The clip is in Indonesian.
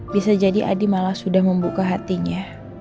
bisa jadi adi malah sudah membuka hatinya